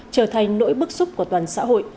trở thành nỗi bức xúc của toàn xã hội